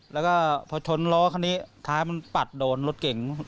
แล้วก็พอชนล้อคันนี้ท้ายมันปัดโดนรถเก่ง